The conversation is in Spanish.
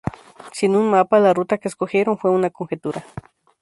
Sin un mapa, la ruta que escogieron fue una conjetura.